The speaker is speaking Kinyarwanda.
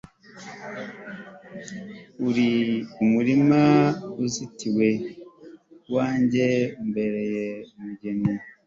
uri umurima uzitiwe, uwanjye umbereye umugeni